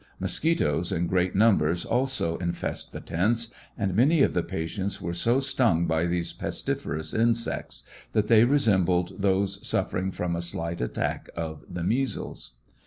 Musquetos in great numbers also infest the tents, and many of the patients were so stung by these pestiferous insects, that they resembled those suffering from a slight attack of the measles.